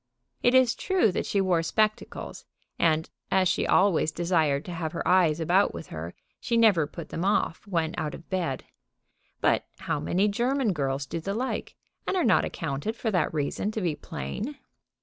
It is true that she wore spectacles; and, as she always desired to have her eyes about with her, she never put them off when out of bed. But how many German girls do the like, and are not accounted for that reason to be plain?